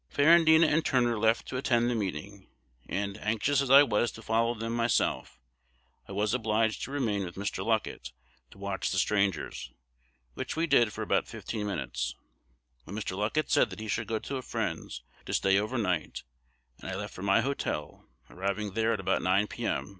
"Ferrandina and Turner left to attend the meeting; and, anxious as I was to follow them myself, I was obliged to remain with Mr. Luckett to watch the strangers, which we did for about fifteen minutes, when Mr. Luckett said that he should go to a friend's to stay over night, and I left for my hotel, arriving there at about 9, p.m.